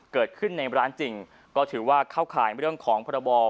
เกิดขึ้นในร้านจริงก็ถือว่าเข้าข่ายเรื่องของพรบ